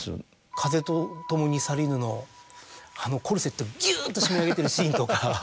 『風と共に去りぬ』のあのコルセットをギュと締め上げてるシーンとか。